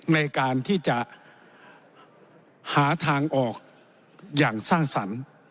ในการที่จะหาทางออกอย่างสร้างสรรค์